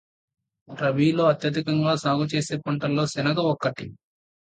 రబీలో అత్యధికంగా సాగు చేసే పంటల్లో శనగ ఒక్కటి.